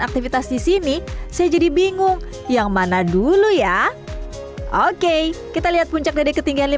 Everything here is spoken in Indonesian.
aktivitas di sini saya jadi bingung yang mana dulu ya oke kita lihat puncak dari ketinggian